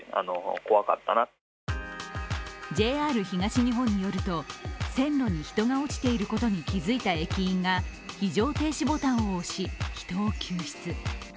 ＪＲ東日本によると線路に人が落ちていることに気付いた駅員が非常停止ボタンを押し、人を救出。